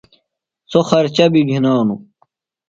سوۡ خرچہ بیۡ گِھنانوۡ۔